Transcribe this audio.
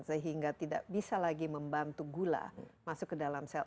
sehingga tidak bisa lagi membantu gula masuk ke dalam sel